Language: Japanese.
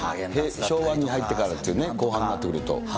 昭和に入ってからっていう、後半になってくると。